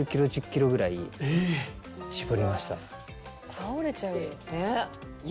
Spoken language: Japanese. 倒れちゃうよ。